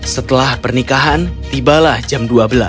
setelah pernikahan tibalah jam dua belas